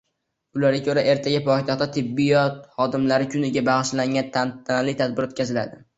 Ularga ko'ra, ertaga poytaxtda tibbiyot xodimlari kuniga bag'ishlangan tantanali tadbir o'tkaziladi